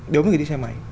đối với người đi xe máy